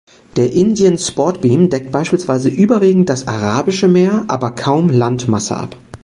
Der Indien-Spotbeam deckt beispielsweise überwiegend das Arabische Meer aber kaum Landmasse ab.